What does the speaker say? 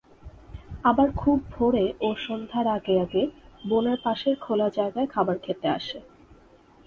আবার খুব ভোরে ও সন্ধ্যার আগে আগে বনের পাশের খোলা জায়গায় খাবার খেতে আসে।